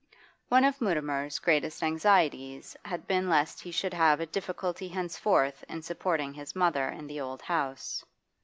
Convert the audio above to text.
One of Mutimer's greatest anxieties had been lest he should have a difficulty henceforth in supporting his mother in the old house.